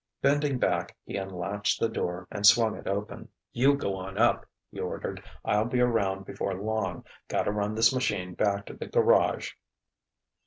Bending back, he unlatched the door and swung it open. "You go on up," he ordered. "I'll be around before long gotta run this machine back to the garage."